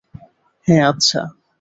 হ্যাঁ, আচ্ছা।